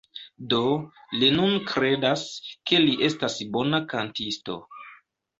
Do, li nun kredas, ke li estas bona kantisto